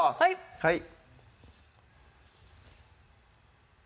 はい